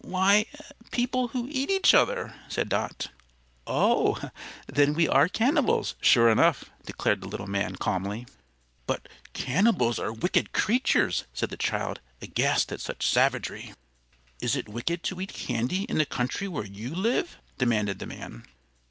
"Why, people who eat each other," said Dot. "Oh, then we are cannibals, sure enough," declared the little man, calmly. "But cannibals are wicked creatures," said the child, aghast at such savagery. "Is it wicked to eat candy in the country where you live?" demanded the man.